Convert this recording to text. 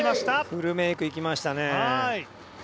フルメイクいきましたね。